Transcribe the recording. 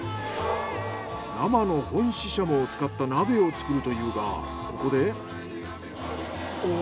生の本シシャモを使った鍋を作るというがここで。